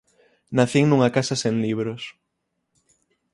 Nacín nunha casa sen libros.